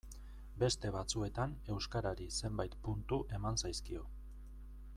Beste batzuetan euskarari zenbait puntu eman zaizkio.